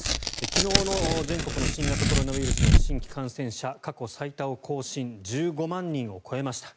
昨日の全国の新型コロナウイルスの新規感染者過去最多を更新１５万人を超えました。